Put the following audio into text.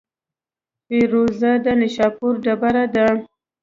فیروزه د نیشاپور ډبره ده.